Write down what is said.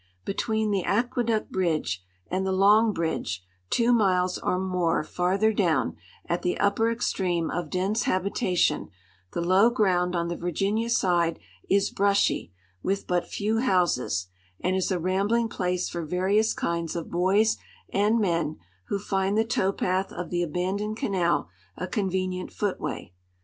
Between the Aqueduct bridge and the Long bridge, two miles or more farther down, at the upper extreme of dense habitation, the low ground on the Virginia side is brushy, with but few houses, and is a rambling ])lace for various kinds of boys and men, Avho find the towpath of the abandoned canal a convenient footway.